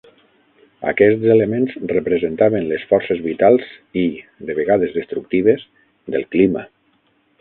Aquests elements representaven les forces vitals i, de vegades destructives, del clima.